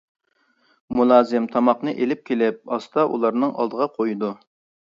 مۇلازىم تاماقنى ئېلىپ كېلىپ ئاستا ئۇلارنىڭ ئالدىغا قويىدۇ.